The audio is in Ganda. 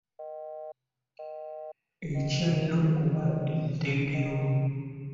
Ekyano oba eddeegero.